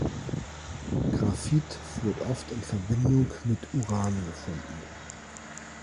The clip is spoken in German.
Graphit wird oft in Verbindung mit Uran gefunden.